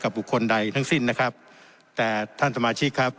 บุคคลใดทั้งสิ้นนะครับแต่ท่านสมาชิกครับ